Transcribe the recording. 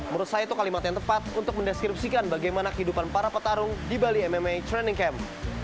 menurut saya itu kalimat yang tepat untuk mendeskripsikan bagaimana kehidupan para petarung di bali mma training camp